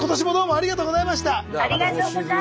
ありがとうございます！